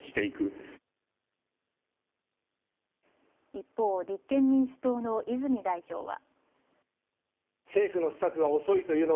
一方、立憲民主党の泉代表は。